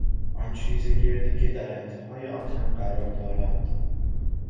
آن چیز گردی که در انتهای آنتن قرار دارد